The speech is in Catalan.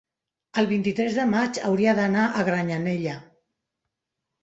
el vint-i-tres de maig hauria d'anar a Granyanella.